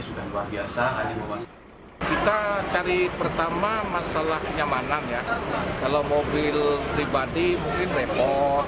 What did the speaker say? sudah luar biasa kita cari pertama masalah kenyamanan ya kalau mobil pribadi mungkin repot